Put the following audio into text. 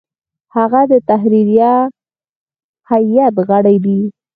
هغه د تحریریه هیئت غړی دی.